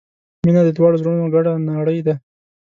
• مینه د دواړو زړونو ګډه نړۍ ده.